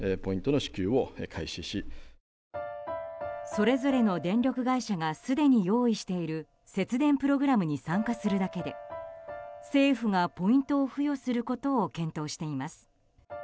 それぞれの電力会社がすでに用意している節電プログラムに参加するだけで政府がポイントを付与することを検討しています。